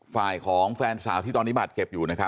ฝ่ายของแฟนสาวที่ตอนนี้บาดเจ็บอยู่นะครับ